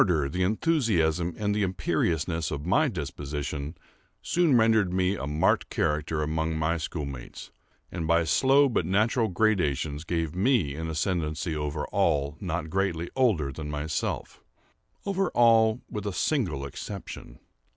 _" In truth, the ardor, the enthusiasm, and the imperiousness of my disposition, soon rendered me a marked character among my schoolmates, and by slow, but natural gradations, gave me an ascendancy over all not greatly older than myself;—over all with a single exception.